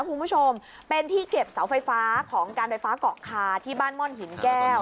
คุณผู้ชมเป็นที่เก็บเสาไฟฟ้าของการไฟฟ้าเกาะคาที่บ้านม่อนหินแก้ว